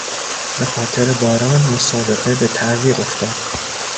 به خاطر باران مسابقه به تعویق افتاد.